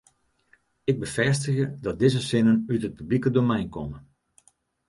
Ik befêstigje dat dizze sinnen út it publike domein komme.